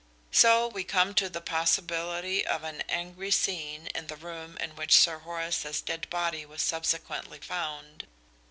So we come to the possibility of an angry scene in the room in which Sir Horace's dead body was subsequently found.